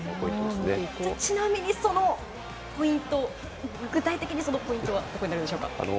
ちなみに、そのポイント具体的に、そのポイントはどこにあるんでしょうか。